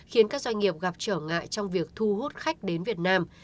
khiến các doanh nghiệp gặp trở ngại trong việc thu hút khách đến việt nam